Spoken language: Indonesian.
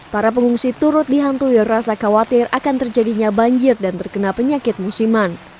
para pengungsi turut dihantui rasa khawatir akan terjadinya banjir dan terkena penyakit musiman